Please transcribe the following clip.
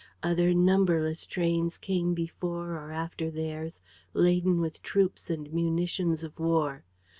Other, numberless trains came before or after theirs, laden with troops and munitions of war.